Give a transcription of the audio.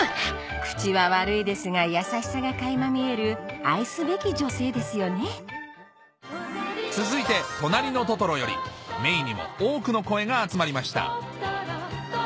口は悪いですが優しさが垣間見える愛すべき女性ですよね続いて『となりのトトロ』よりメイにも多くの声が集まりましたトトロ！